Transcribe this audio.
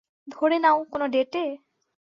ধরে নাও, কোনো ডেটে?